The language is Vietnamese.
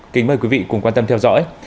kính mời quý vị cùng quan tâm theo dõi